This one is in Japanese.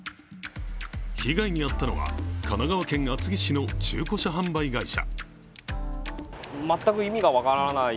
被害に遭ったのは神奈川県厚木市の中古車販売会社。